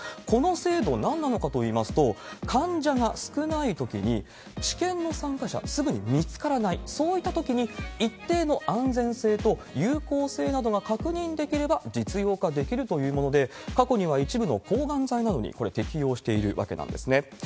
この制度、なんなのかといいますと、患者が少ないときに、治験の参加者、すぐに見つからない、そういったときに、一定の安全性と有効性などが確認できれば実用化できるというもので、過去には一部の抗がん剤などに、これ、適用しているわけなんですね。